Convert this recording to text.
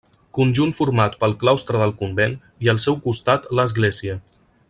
Conjunt format pel claustre del convent i al seu costat l'església.